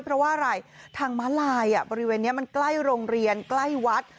เพราะว่าอะไรทางม้าลายบริเวณนี้มันใกล้โรงเรียนใกล้วัด